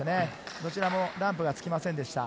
どちらもランプがつきませんでした。